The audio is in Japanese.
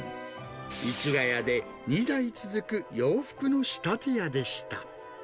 市谷で２代続く洋服の仕立て屋でした。